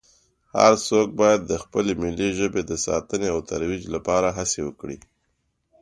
هر څو باید د خپلې ملي ژبې د ساتنې او ترویج لپاره هڅې وکړي